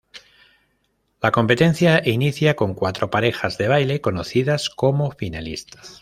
La competencia inicia con cuatro parejas de baile, conocidos como "finalistas".